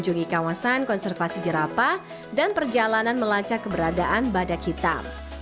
mengunjungi kawasan konservasi jerapa dan perjalanan melacak keberadaan badak hitam